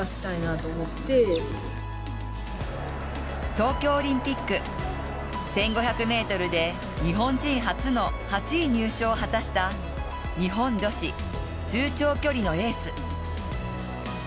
東京オリンピック１５００ｍで日本人初の８位入賞を果たした日本女子中長距離のエース。